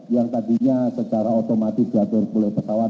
yang tadinya secara otomatis diatur oleh pesawat